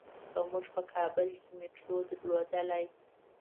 که مونږ په کابل کې میټرو درلودلای.